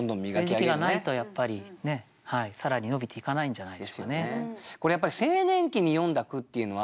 そういう時期がないとやっぱり更に伸びていかないんじゃないですかね。